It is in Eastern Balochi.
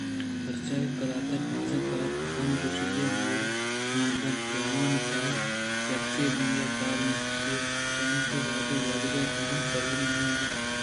پرچاکہ قلاتءِ بازیں کار پہ کم گشادیءُ مور گامی ءَ بنت کہ آوانی تہایکے ہمے کار اِنت کہ چنت وہد گوٛزگءَ پد ہم سرجم نہ بیت